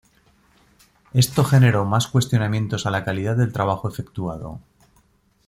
Esto generó más cuestionamientos a la calidad del trabajo efectuado.